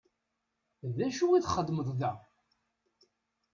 D acu i txeddmeḍ da?